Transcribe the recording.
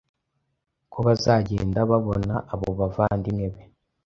ko bazagenda babona abo bavandimwe be